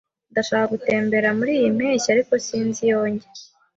Ndashaka gutembera muriyi mpeshyi, ariko sinzi iyo njya.